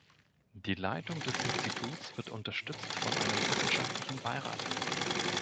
Die Leitung des Instituts wird unterstützt von einem wissenschaftlichen Beirat.